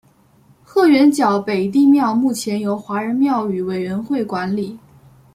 鹤园角北帝庙目前由华人庙宇委员会管理。